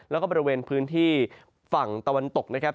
แล้วก็บริเวณพื้นที่ฝั่งตะวันตกนะครับ